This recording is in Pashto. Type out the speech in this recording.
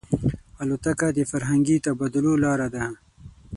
الوتکه د فرهنګي تبادلو لاره ده.